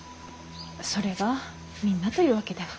それがみんなというわけでは。